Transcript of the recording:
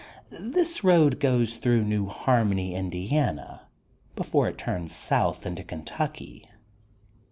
This road goes through New Harmony, Indiana, before it turns south into Kentucky.